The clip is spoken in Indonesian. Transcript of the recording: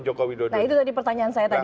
nah itu tadi pertanyaan saya tadi